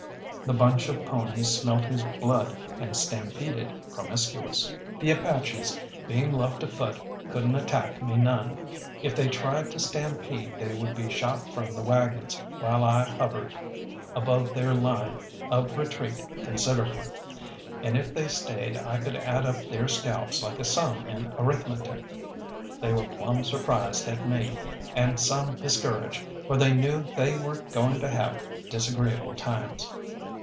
The bunch of ponies smelt his blood and stampeded promiscuous. The Apaches, being left afoot, couldn't attack me none. If they tried to stampede they would be shot from the waggons, while I hovered above their line of retreat considerably; and if they stayed I could add up their scalps like a sum in arithmetic. They were plumb surprised at me, and some discouraged, for they knew they were going to have disagreeable times.